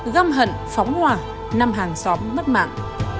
găm hận phóng hòa năm hàng xóm mất mạng